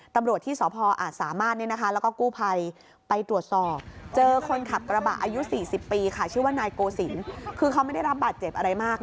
ค่ะชื่อว่านายโกสินคือเขาไม่ได้รับบาดเจ็บอะไรมาก